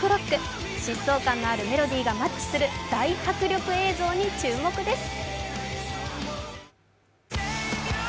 疾走感のあるメロディーがマッチする大迫力映像に注目です。